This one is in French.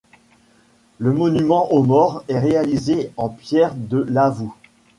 Le monument aux morts est réalisé en pierre de Lavoux.